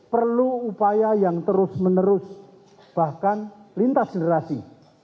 perlu upaya yang terus menerus bahkan lintas generasi